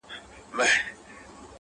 • زه په دې افتادګۍ کي لوی ګَړنګ یم؛